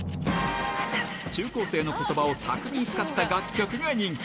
中高生のことばを巧みに使った楽曲が人気。